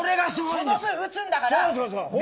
その分打つんだから。